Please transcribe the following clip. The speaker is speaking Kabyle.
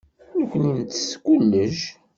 Nekkni nettess kullec.